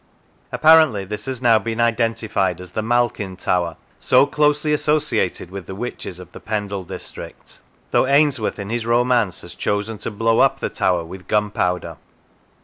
Apparently this has now been identified as the Malkin Tower, so closely associated with the witches of the Pendie district, though Ainsworth, in his romance, has chosen to blow up the tower with gunpowder.